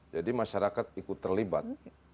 jadi masyarakat ikut terlibat